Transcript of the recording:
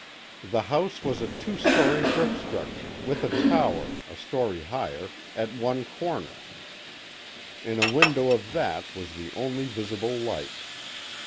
The house was a two story brick structure with a tower, a story higher, at one corner. In a window of that was the only visible light.